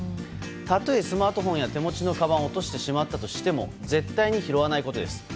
たとえ、スマートフォンや手持ちのかばんを落としてしまったとしても絶対に拾わないことです。